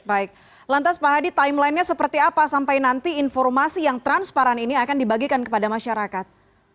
baik lantas pak hadi timeline nya seperti apa sampai nanti informasi yang transparan ini akan dibagikan kepada masyarakat